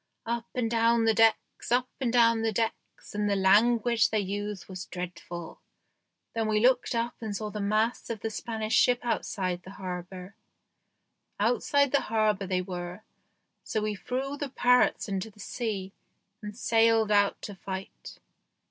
Up and down the decks, up and down the decks, and the language they used was dreadful. Then we looked up and saw the masts of the Spanish ship outside the harbour. Outside the harbour they were, so we threw the parrots into the sea and sailed out to fight.